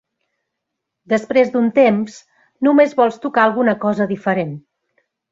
Després d'un temps només vols tocar alguna cosa diferent.